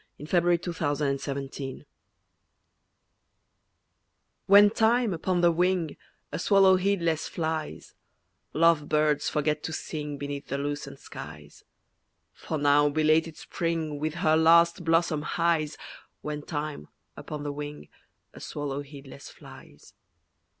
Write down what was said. RONDEL—WHEN TIME UPON THE WING WHEN Time, upon the wing, A swallow heedless flies, Love birds forget to sing Beneath the lucent skies: For now belated spring With her last blossom hies, When time, upon the wing, A swallow heedless flies.